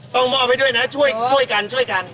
ต้องมอบไปด้วยนะช่วยกัน